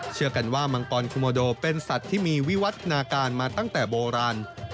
เชื่อกันว่ามังกรคุโมโดเป็นสัตว์ที่มีวิวัฒนาการมาตั้งแต่โบราณ